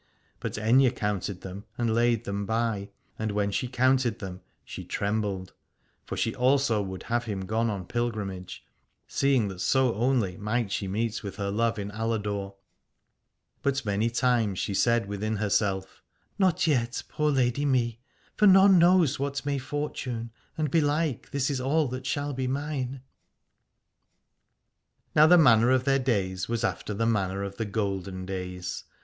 But Aithne counted them and laid them by, and when she counted them she trembled. For she also would have him gone on pilgrimage, seeing that so only might she meet with her love in Aladore : but many times she said within herself: Not yet, poor lady me, for none knows what may fortune, and belike this is all that shall be mine. 202 Aladore Now the manner of their days was after the manner of the Golden Days.